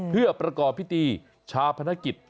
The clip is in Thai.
เพื่อประกอบพิธีชาพนักกิจ